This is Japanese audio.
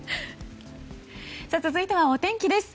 続いてはお天気です。